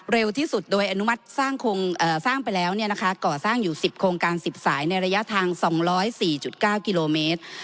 เร็วที่สุดโดยอนุมัติสร้างไปแล้วก่อสร้างอยู่๑๐โครงการ๑๐สายในระยะทาง๒๐๔๙กิโลเมตร